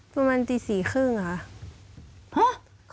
ประมาณตี๔๓๐ค่ะ